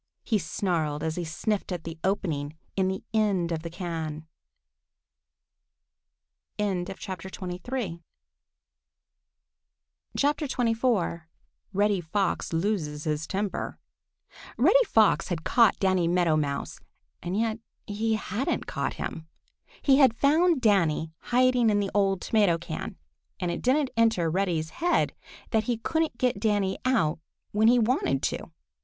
he snarled, as he sniffed at the opening in the end of the can. XXIV REDDY FOX LOSES HIS TEMPER REDDY FOX had caught Danny Meadow Mouse, and yet he hadn't caught him. He had found Danny hiding in the old tomato can, and it didn't enter Reddy's head that he couldn't get Danny out when he wanted to.